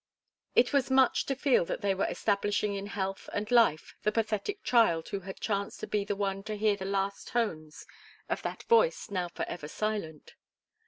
It was much to feel that they were establishing in health and life the pathetic child who had chanced to be the one to hear the last tones of that voice now forever silent.